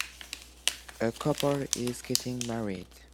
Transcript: A couple is getting married.